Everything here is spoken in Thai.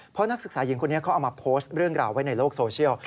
เพราะนักศึกษาหญิงคนนี้เขาเอามาโพสต์เรื่องราวไว้ในโลกโซเชียล